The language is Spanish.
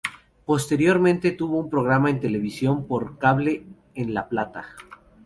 Posteriormente tuvo un programa en televisión por cable en La Plata.